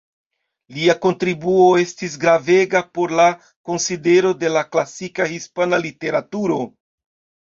Lia kontribuo estis gravega por la konsidero de la klasika hispana literaturo.